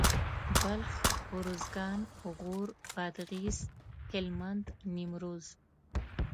بلخ اروزګان غور بادغيس هلمند نيمروز